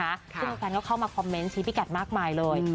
ซึ่งอยู่กันก็เข้ามาคอมเมนต์ชิ้นพิคัทมากมายเลย